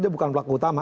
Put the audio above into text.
dia bukan pelaku utama